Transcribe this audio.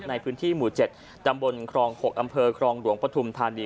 ในพื้นที่หมู่๗ตำบลครอง๖อำเภอครองหลวงปฐุมธานี